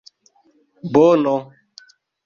bono